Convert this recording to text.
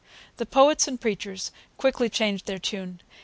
The poets and preachers quickly changed their tune.